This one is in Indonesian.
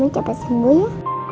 coba sembuh ya